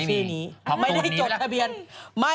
สวัสดีค่าข้าวใส่ไข่